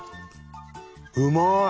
うまい！